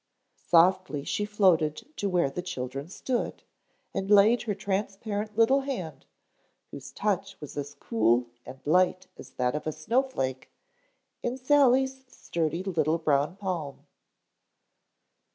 Softly she floated to where the children stood, and laid her transparent little hand, whose touch was as cool and light as that of a snowflake, in Sally's sturdy little brown palm.